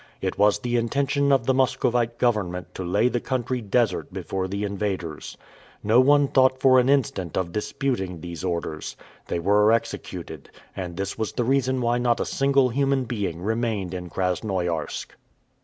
It was the intention of the Muscovite government to lay the country desert before the invaders. No one thought for an instant of disputing these orders. They were executed, and this was the reason why not a single human being remained in Krasnoiarsk.